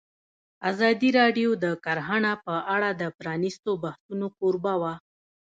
ازادي راډیو د کرهنه په اړه د پرانیستو بحثونو کوربه وه.